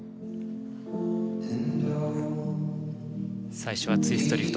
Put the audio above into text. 最初はツイストリフト。